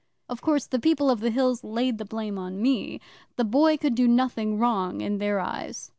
'Of course the People of the Hills laid the blame on me. The Boy could do nothing wrong, in their eyes.